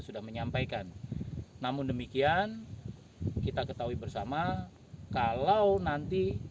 pertanyaan terakhir bagaimana menurut anda